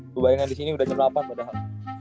gue bayangin disini udah jam delapan padahal